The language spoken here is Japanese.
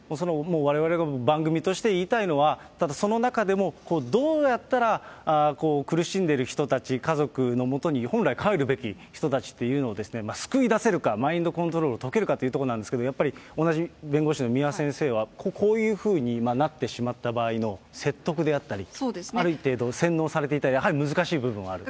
われわれが番組として言いたいのは、ただその中でも、どうやったら苦しんでる人たち、家族のもとに本来帰るべき人たちっていうのを救い出せるか、マインドコントロールを解けるかというところなんですけど、やっぱり、同じ弁護士の三輪先生はこういうふうになってしまった場合の説得であったり、ある程度洗脳されていたり、やはり難しい部分はある？